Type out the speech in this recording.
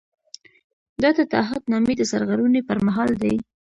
دا د تعهد نامې د سرغړونې پر مهال دی.